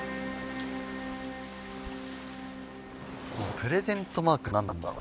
プレゼントマークなんなんだろう？